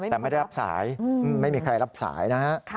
แต่ไม่ได้รับสายไม่มีใครรับสายนะฮะ